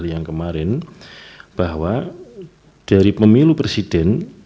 yang kemarin bahwa dari pemilu presiden